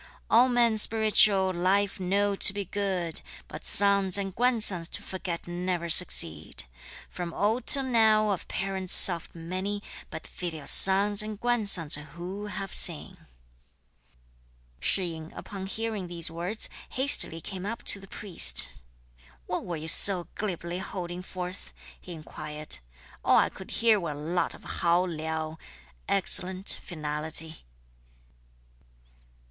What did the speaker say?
All men spiritual life know to be good, But sons and grandsons to forget never succeed! From old till now of parents soft many, But filial sons and grandsons who have seen? Shih yin upon hearing these words, hastily came up to the priest, "What were you so glibly holding forth?" he inquired. "All I could hear were a lot of hao liao (excellent, finality.")